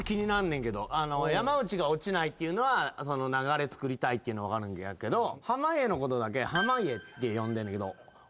山内が落ちないっていうのは流れつくりたいっていうの分かるんやけど濱家のことだけ濱家って呼んでんねんけど。